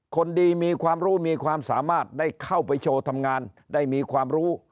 คนดีมีความรู้มีความสามารถได้เข้าไปโชว์ทำงานได้มีความรู้